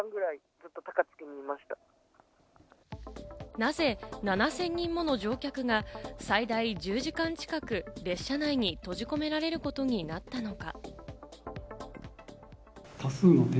なぜ７０００人もの乗客が最大１０時間近く列車内に閉じ込められることになったのか。